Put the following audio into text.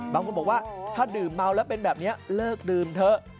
บางคนบอกว่าถ้าดื่มเมาแล้วเป็นแบบนี้เลิกดื่มเถอะ